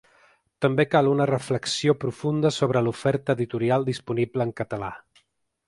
També cal una reflexió profunda sobre l’oferta editorial disponible en català.